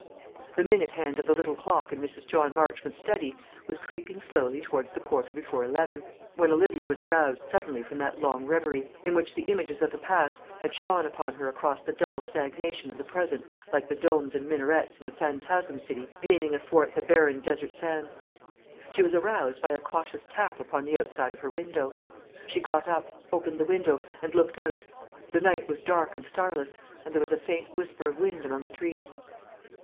The minute hand of the little clock in Mrs. John Marchmont's study was creeping slowly towards the quarter before eleven, when Olivia was aroused suddenly from that long reverie, in which the images of the past had shone upon her across the dull stagnation of the present like the domes and minarets in a Phantasm City gleaming athwart the barren desert sands. She was aroused by a cautious tap upon the outside of her window. She got up, opened the window, and looked out. The night was dark and starless, and there was a faint whisper of wind among the trees.